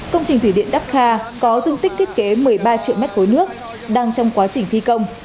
công trình thủy điện dakar có dung tích kết kế một mươi ba triệu m ba nước đang trong quá trình thi công